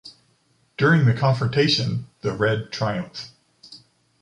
During the confrontation, the Red triumph.